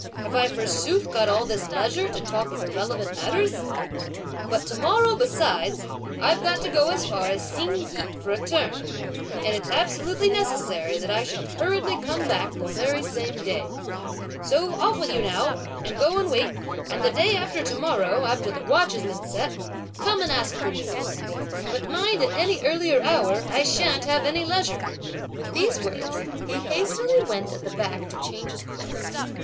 "Have I forsooth got all this leisure to talk of irrelevant matters! But to morrow, besides, I've got to go as far as Hsing Yi for a turn, and it's absolutely necessary that I should hurriedly come back the very same day; so off with you now and go and wait; and the day after to morrow, after the watch has been set, come and ask for news; but mind at any earlier hour, I shan't have any leisure!" With these words, he hastily went at the back to change his clothes.